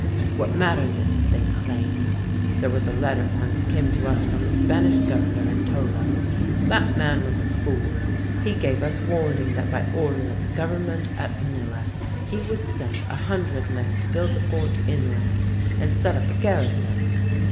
"'What matters it if they claim? There was a letter once came to us from the Spanish Governor in Tolo. That man was a fool. He gave us warning that by order of the Government at Manila he would send a hundred men to build a fort inland and set up a garrison.